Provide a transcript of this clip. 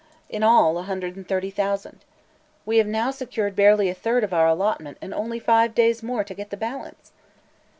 "In all, a hundred and thirty thousand. We have now secured barely a third of our allotment, and only five days more to get the balance!"